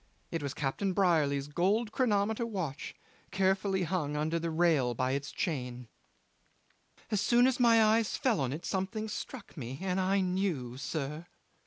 It was Captain Brierly's gold chronometer watch carefully hung under the rail by its chain. '"As soon as my eyes fell on it something struck me, and I knew, sir.